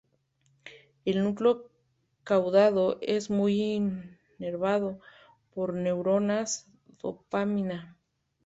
El núcleo caudado es muy inervado por neuronas dopamina.